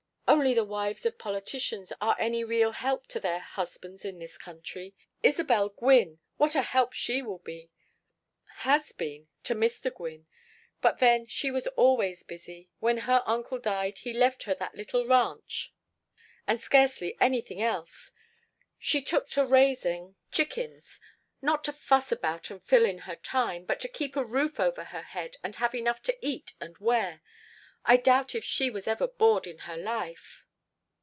"Only the wives of politicians are any real help to their husbands in this country. Isabel Gwynne! What a help she will be has been to Mr. Gwynne. But then she was always busy. When her uncle died he left her that little ranch and scarcely anything else, she took to raising chickens not to fuss about and fill in her time, but to keep a roof over her head and have enough to eat and wear. I doubt if she ever was bored in her life."